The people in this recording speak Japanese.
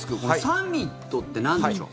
サミットってなんでしょう。